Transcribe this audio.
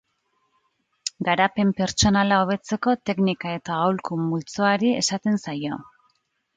Garapen pertsonala hobetzeko teknika eta aholku multzoari esaten zaio.